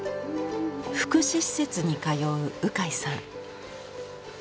福祉施設に通う鵜飼さん。